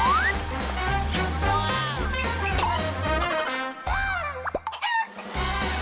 ว้าว